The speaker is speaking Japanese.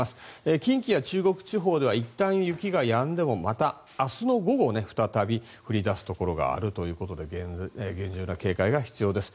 近畿や中国地方ではいったん雪がやんでもまた、明日の午後再び降り出すところがあるということで厳重な警戒が必要です。